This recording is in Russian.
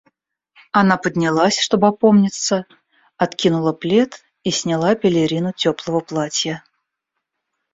Она поднялась, чтоб опомниться, откинула плед и сняла пелерину теплого платья.